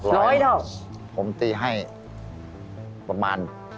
ร้อยเหรอผมตีให้ประมาณ๘๐๐๐๐